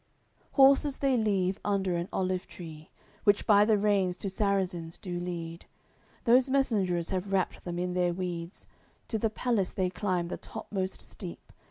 CXCV Horses they leave under an olive tree, Which by the reins two Sarrazins do lead; Those messengers have wrapped them in their weeds, To the palace they climb the topmost steep.